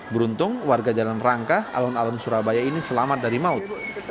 beruntung warga jalan rangka alun alun surabaya ini selamat dari maut